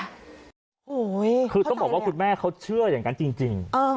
โอ้ยเพราะอะไรเนี่ยคือต้องบอกว่าคุณแม่เขาเชื่ออย่างนั้นจริง